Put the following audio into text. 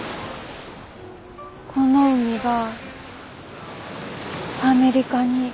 この海がアメリカに。